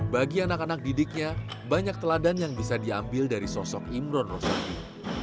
bagi anak anak didiknya banyak teladan yang bisa diambil dari sosok imron rosaki